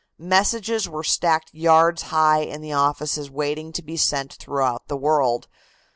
Messages were stacked yards high in the offices waiting to be sent throughout the world.